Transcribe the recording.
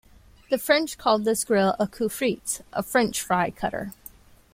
The French called this grille a "coupe-frites": a "french-fry cutter".